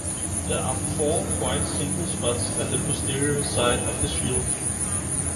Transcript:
There are four white single spots at the posterior side of the shield.